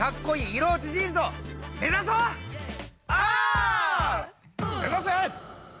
目指せ！